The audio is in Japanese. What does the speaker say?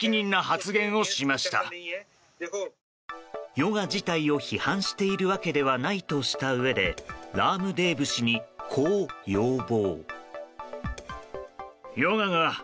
ヨガ自体を批判しているわけではないとしたうえでラームデーブ氏にこう要望。